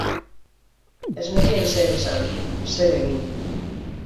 Ez zekien zer esan, zer egin.